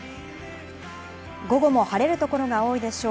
午後も晴れる所が多いでしょう。